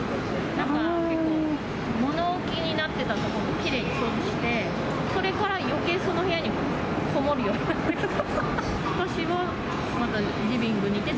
なんか結構、物置になっていた所をきれいに掃除して、それからよけい、その部屋にこもるようになって。